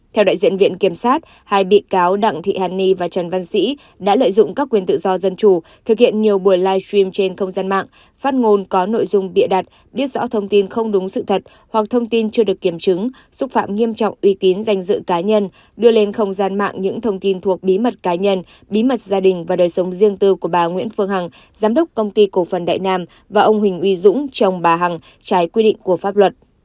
theo đại diện viện kiểm sát hai bị cáo đặng thị hàn ni và trần văn sĩ đã lợi dụng các quyền tự do dân chủ thực hiện nhiều buổi live stream trên không gian mạng phát ngôn có nội dung bịa đặt biết rõ thông tin không đúng sự thật hoặc thông tin chưa được kiểm chứng xúc phạm nghiêm trọng uy tín danh dự cá nhân đưa lên không gian mạng những thông tin thuộc bí mật cá nhân bí mật gia đình và đời sống riêng tư của bà nguyễn phương hằng giám đốc công ty cổ phần đại nam và ông huỳnh uy dũng chồng bà hằng trái quy định của pháp luật